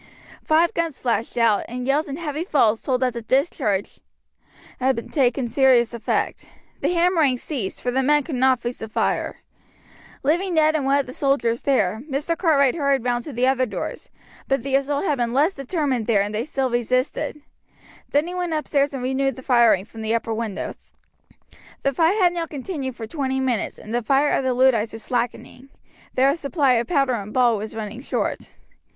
Five guns flashed out, and yells and heavy falls told that the discharge had taken serious effect. The hammering ceased, for the men could not face the fire. Leaving Ned and one of the soldiers there, Mr. Cartwright hurried round to the other doors, but the assault had been less determined there and they still resisted; then he went upstairs and renewed the firing from the upper windows. The fight had now continued for twenty minutes, and the fire of the Luddites was slackening; their supply of powder and ball was running short.